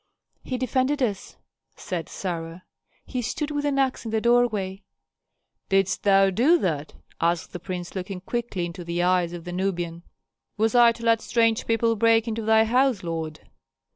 "He defended us," said Sarah. "He stood, with an axe, in the doorway." "Didst thou do that?" asked the prince, looking quickly into the eyes of the Nubian. "Was I to let strange people break into thy house, lord?"